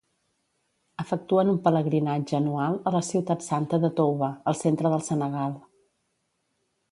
Efectuen un pelegrinatge anual a la ciutat santa de Touba, al centre del Senegal.